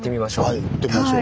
はい行ってみましょう。